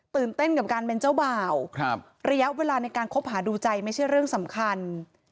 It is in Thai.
เต้นกับการเป็นเจ้าบ่าวระยะเวลาในการคบหาดูใจไม่ใช่เรื่องสำคัญ